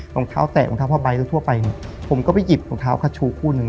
รองเท้าแตะรองเท้าผ้าใบทั่วไปเนี่ยผมก็ไปหยิบรองเท้าคัชชูคู่หนึ่ง